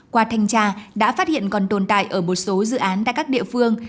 qua thanh tra đã phát hiện còn tồn tại ở một số dự án tại các địa phương